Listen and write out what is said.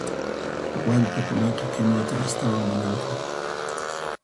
Wallpakunaqa kinuwata astawanta munanku.